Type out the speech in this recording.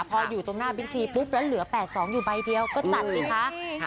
พออยู่ตรงหน้าบิ๊กซีปุ๊บแล้วเหลือ๘๒อยู่ใบเดียวก็จัดสิคะ